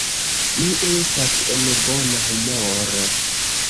Mi estas en bona humoro.